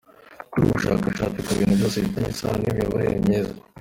Gukora ubushakashatsi ku bintu byose bifitanye isano n’imiyoborere myiza,.